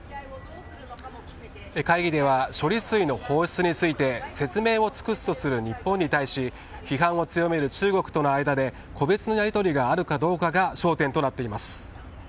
会議では処理水の放出について説明を尽くすとする日本に対し批判を強める中国との間で個別のやりとりがあるかどうかが焦点となっています。